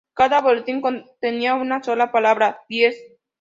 Cada boletín contenía una sola palabra: diez.